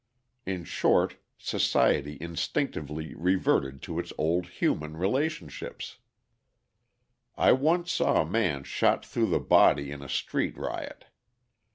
In short, society instinctively reverted to its old human relationships. I once saw a man shot through the body in a street riot.